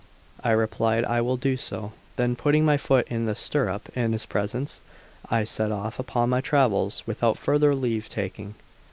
I replied: "I will do so." Then putting my foot in the stirrup in his presence, I set off upon my travels without further leave taking.